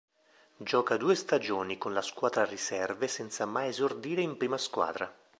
Gioca due stagioni con la squadra riserve senza mai esordire in prima squadra.